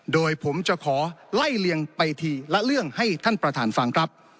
โดยผมจะขอไล่เลียงไปทีละเรื่องให้ท่านประธานฟังครับ